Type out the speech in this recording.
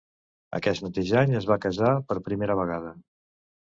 Aquest mateix any es va casar per primera vegada.